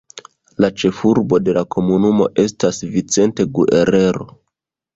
La ĉefurbo de la komunumo estas Vicente Guerrero.